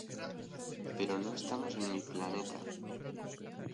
Pero no estamos en mi planeta.